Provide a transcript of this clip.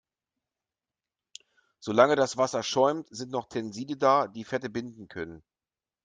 Solange das Wasser schäumt, sind noch Tenside da, die Fette binden können.